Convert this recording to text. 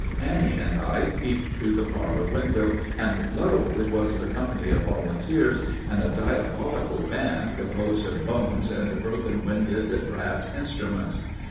Annie and I peeped through the parlor window, and lo! it was the company of volunteers and a diabolical band composed of bones and broken winded brass instruments.